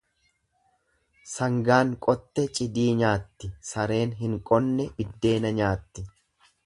Sangaan qotte cidii nyaatti, sareen hin qonne biddeena nyaatti.